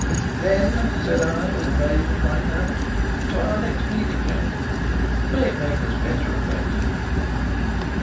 "Then," said I, with a wave of my hand, "to our next meeting, gentlemen. May it make us better acquainted."